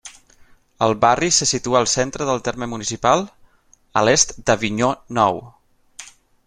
El barri se situa al centre del terme municipal, a l'est d'Avinyó Nou.